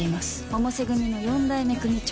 百瀬組の四代目組長。